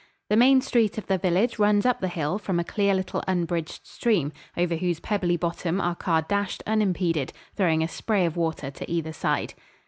The main street of the village runs up the hill from a clear little unbridged stream, over whose pebbly bottom our car dashed unimpeded, throwing a spray of water to either side.